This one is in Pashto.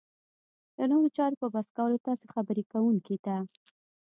د نورو چارو په بس کولو تاسې خبرې کوونکي ته